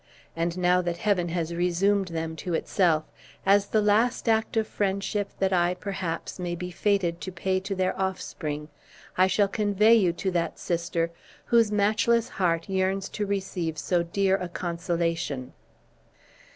And now that Heaven has resumed them to itself, as the last act of friendship that I, perhaps, may be fated to pay to their offspring, I shall convey you to that sister whose matchless heart yearns to receive so dear a consolation."